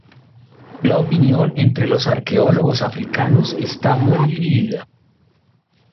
La opinión entre los arqueólogos africanos está muy dividida.